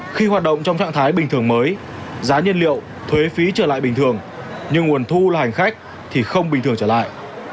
khi hoạt động trong trạng thái bình thường mới giá nhân liệu thuế phí trở lại bình thường nhưng nguồn thu là hành khách thì không bình thường trở lại